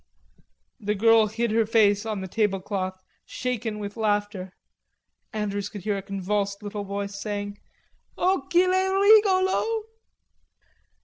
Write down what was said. The girl hid her face on the tablecloth, shaken with laughter. Andrews could hear a convulsed little voice saying: "O qu'il est rigolo...."